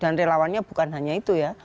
dan relawannya bukan hanya itu ya